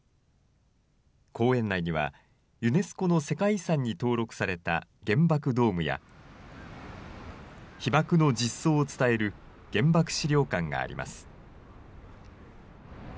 公園内には、ユネスコの世界遺産に登録された原爆ドームや、被爆の実相を伝える原爆資料館があります。